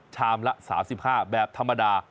ชามละ๓๕แบบธรรมดา